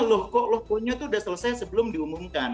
loh kok loh koknya tuh udah selesai sebelum diumumkan